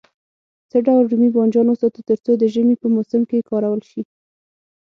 څه ډول رومي بانجان وساتو تر څو د ژمي په موسم کې کارول شي.